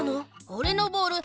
おれのボール